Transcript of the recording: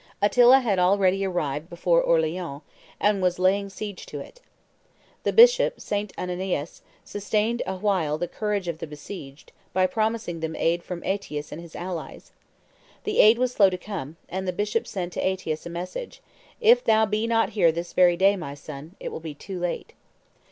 Attila had already arrived before Orleans, and was laying siege to it. The bishop, St. Anianus, sustained a while the courage of the besieged, by promising them aid from Aetius and his allies. The aid was slow to come; and the bishop sent to Aetius a message: "If thou be not here this very day, my son, it will be too late."